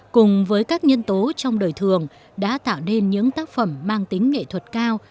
cùng với các nhân tố trong đời thường đã tạo nên những tác phẩm mang tính nghệ thuật cao